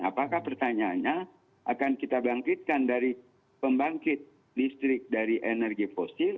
apakah pertanyaannya akan kita bangkitkan dari pembangkit listrik dari energi fosil